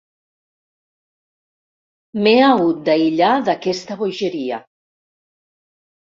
M'he hagut d'aïllar d'aquesta bogeria.